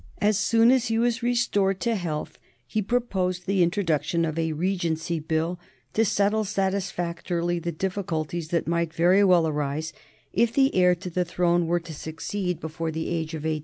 As soon as he was restored to health he proposed the introduction of a Regency Bill to settle satisfactorily the difficulties that might very well arise if the heir to the throne were to succeed before the age of eighteen.